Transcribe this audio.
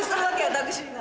タクシーが。